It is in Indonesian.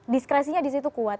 diskresinya di situ kuat